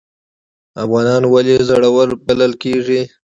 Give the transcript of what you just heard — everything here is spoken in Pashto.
افغانان ولې زړور بلل کیږي؟